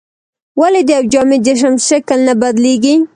ولې د یو جامد جسم شکل نه بدلیږي؟